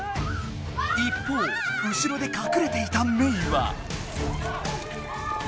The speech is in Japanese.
一方うしろでかくれていたメイは？